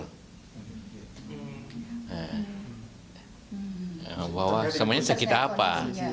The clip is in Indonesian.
sebenarnya sekitar apa